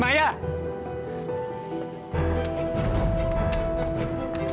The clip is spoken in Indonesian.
mau passage sebentar